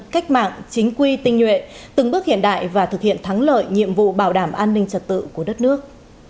cách mạng chính quy tinh nhuệ từng bước hiện đại và thực hiện thắng lợi nhiệm vụ bảo đảm an ninh trật tự của đất nước